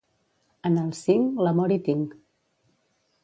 En el cinc, l'amor hi tinc.